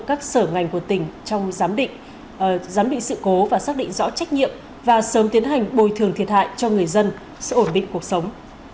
các sở ngành của tỉnh trong giám định sự cố và xác định rõ trách nhiệm và sớm tiến hành bồi thường thiệt hại cho người dân sự ổn định cuộc sống